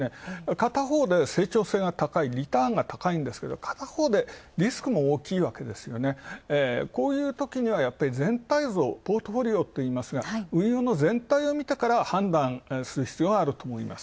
片方で成長性が高い、リスクも大きいと、こういうときには全体像、ポートフォリオといいますが、運用の全体を見てから判断する必要があると思います。